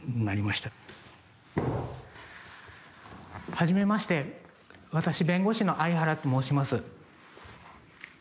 はじめまして私弁護士の相原と申します。